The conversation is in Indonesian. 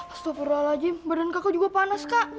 astagfirullahaladzim badan kaku juga panas kak